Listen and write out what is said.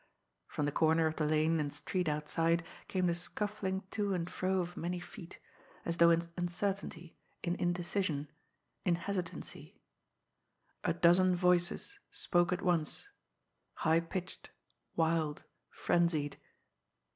From the corner of the lane and street outside came the scuffling to and fro of many feet, as though in uncertainty, in indecision, in hesitancy. A dozen voices spoke at once, high pitched, wild, frenzied.